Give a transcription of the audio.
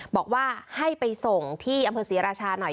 บอกว่าให้ไปส่งที่อำเภอศรีราชาหน่อย